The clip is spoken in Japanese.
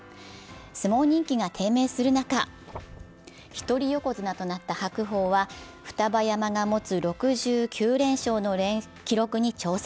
相撲人気が低迷する中、一人横綱となった白鵬は二葉山が持つ６９連勝の記録に挑戦。